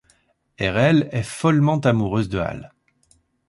Erel est follement amoureuse de Al.